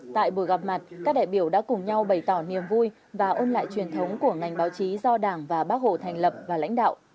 tại buổi gặp mặt các đại biểu đã cùng nhau bày tỏ niềm vui và ôn lại truyền thống của ngành báo chí do đảng và bác hồ thành lập và lãnh đạo